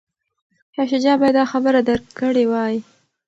شاه شجاع باید دا خبره درک کړې وای.